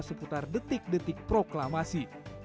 seputar detik detik proklamasi